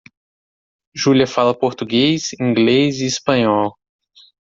Júlia fala Português, Inglês e Espanhol.